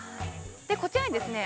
こちらにですね